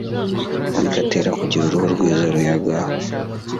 bigatera kugira uruhu rwiza ruyaga